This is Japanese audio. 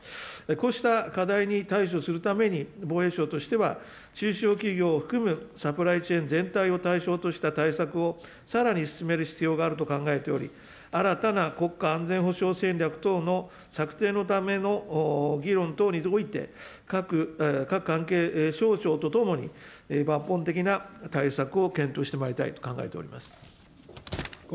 こうした課題に対処するために、防衛省としては、中小企業を含むサプライチェーン全体を対象とした対策をさらに進める必要があると考えており、新たな国家安全保障戦略等の策定のための議論等において、各関係省庁とともに、抜本的な対策を検討してまいりたいと考えております。